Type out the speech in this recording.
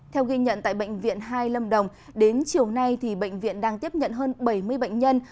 theo ghi nhận tại bệnh viện hai lâm đồng đến chiều nay bệnh viện đang tiếp nhận hơn bảy mươi bệnh nhân